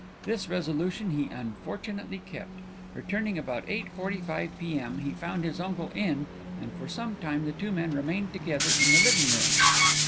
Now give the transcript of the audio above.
"'This resolution he unfortunately kept. Returning about eight forty five P.M. he found his uncle in and for some time the two men remained together in the dining room.